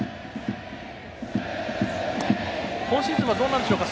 今シーズンはどうなんでしょうか。